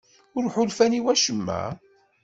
Ur ḥulfan i wacemma?